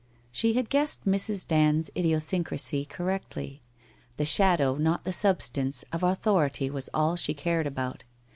She had guessed Mrs. Dand's idiosyncrasy cor rectly. The shadow, not the substance, of authority was all she cared about.